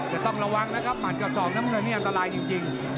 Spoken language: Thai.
แต่ต้องระวังนะครับมันกับสองนะเมื่อเนียมตลายจริง